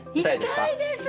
痛いですね！